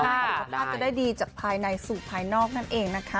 สุขภาพจะได้ดีจากภายในสู่ภายนอกนั่นเองนะคะ